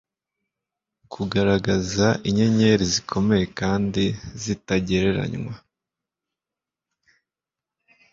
Kugaragaza inyenyeri zikomeye kandi zitagereranywa